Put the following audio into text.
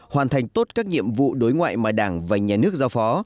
hoàn thành tốt các nhiệm vụ đối ngoại mà đảng và nhà nước giao phó